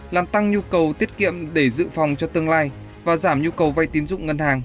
làm tăng nhu cầu tiết kiệm để dự phòng cho tương lai và giảm nhu cầu vay tín dụng ngân hàng